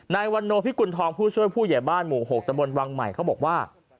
นายวันโนพิกุณฑองผู้ช่วยผู้ใหญ่บ้านหมู่๖ตะบนวังใหม่เขาบอกว่า